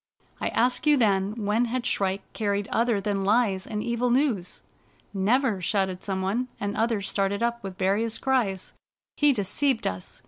I asked you then when had Shrike carried other than lies and evil news." " Never !" shouted some one, and others started up with various cries. "He deceived us!